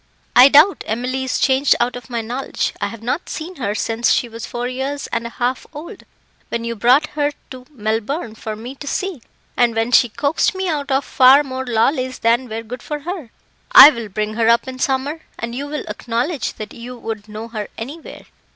"I doubt Emily is changed out of my knowledge. I have not seen her since she was four years and a half old, when you brought her to Melbourne for me to see, and when she coaxed me out of far more lollies than were good for her." "I will bring her up in summer, and you will acknowledge that you would know her anywhere.